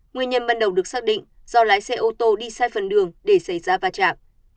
nguyên nhân ban đầu được xác định do lái xe ô tô đi sai phần đường để xảy ra va chạm